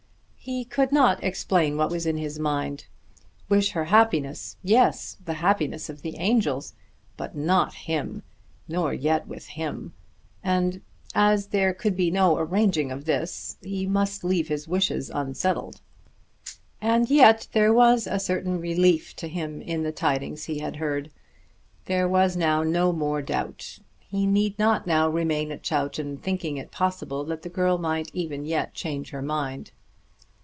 He could not explain what was in his mind. Wish her happiness! yes; the happiness of the angels. But not him, nor yet with him! And as there could be no arranging of this, he must leave his wishes unsettled. And yet there was a certain relief to him in the tidings he had heard. There was now no more doubt. He need not now remain at Chowton thinking it possible that the girl might even yet change her mind.